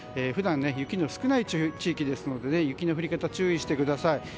普段、雪が少ない地域ですので雪の降り方注意してください。